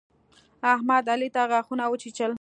احمد، علي ته غاښونه وچيچل.